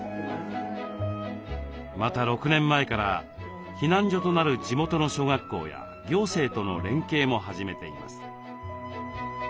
また６年前から避難所となる地元の小学校や行政との連携も始めています。